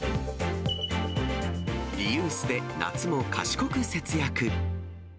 リユースで夏も賢く節約。